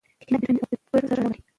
کینه د بدبینۍ او تکبر سره تړاو لري.